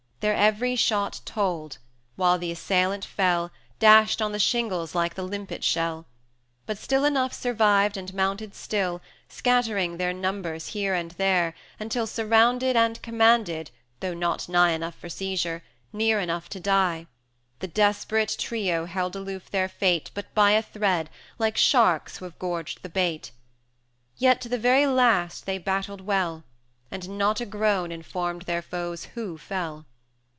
Their every shot told; while the assailant fell, Dashed on the shingles like the limpet shell; But still enough survived, and mounted still, Scattering their numbers here and there, until Surrounded and commanded, though not nigh Enough for seizure, near enough to die, The desperate trio held aloof their fate But by a thread, like sharks who have gorged the bait; 320 Yet to the very last they battled well, And not a groan informed their foes who fell.